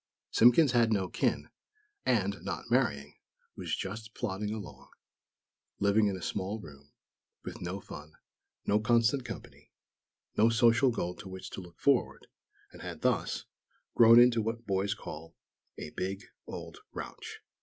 Simpkins had no kin; and, not marrying, was "just plodding along," living in a small room, with no fun, no constant company, no social goal to which to look forward; and had, thus, grown into what boys call "a big, old grouch."